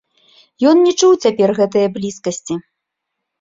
Ён не чуў цяпер гэтае блізкасці.